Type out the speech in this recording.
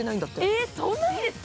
えっ、そんなにですか？